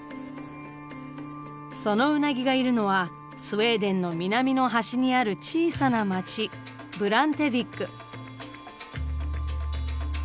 そのウナギがいるのはスウェーデンの南の端にある小さな町ブランテヴィック。